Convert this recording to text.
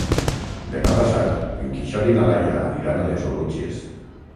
Demà passat en Quixot i na Laia aniran a les Oluges.